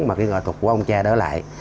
mà cái ngõ thuật của ông cha đó lại